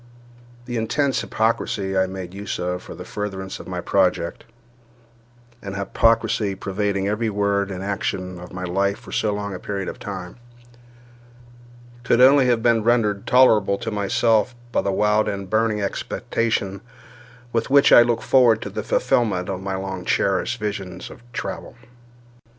The intense hypocrisy I made use of for the furtherance of my project—an hypocrisy pervading every word and action of my life for so long a period of time—could only have been rendered tolerable to myself by the wild and burning expectation with which I looked forward to the fulfilment of my long cherished visions of travel.